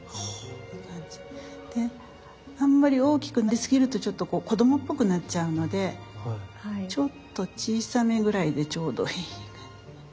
であんまり大きくなりすぎると子供っぽくなっちゃうのでちょっと小さめぐらいでちょうどいい。